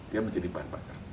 dia menjadi bahan bakar